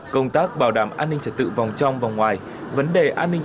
công tác bảo đảm an ninh trật tự vòng trong và ngoài